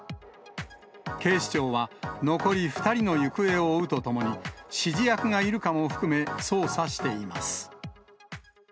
警視庁は残り２人の行方を追うとともに、指示役がいるかも含め、捜査しています。